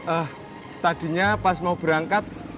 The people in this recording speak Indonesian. eh tadinya pas mau berangkat